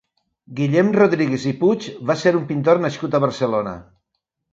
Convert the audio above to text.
Guillem Rodríguez i Puig va ser un pintor nascut a Barcelona.